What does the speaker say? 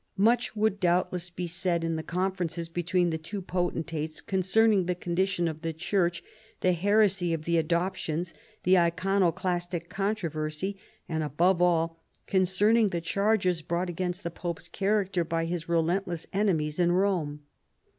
Much would doubtless be said in the conferences between the two potentates concerning the condition of the Church, the heresy of the AdoptianSj* the Iconoclastic controversy, and above all concerning the charges brought against the pope's character by his relentless enemies in Rome.